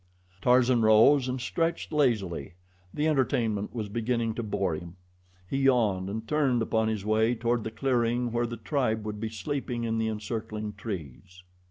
Tarzan rose and stretched lazily. The entertainment was beginning to bore him. He yawned and turned upon his way toward the clearing where the tribe would be sleeping in the encircling trees.